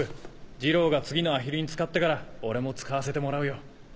二郎が次のアヒルに使ってから俺も使わせてもらうよ。